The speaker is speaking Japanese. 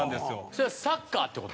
それはサッカーって事？